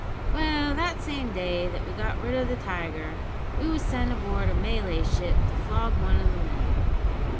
"Well, the same day that we got rid o' the tiger we was sent aboard a Malay ship to flog one o' the men.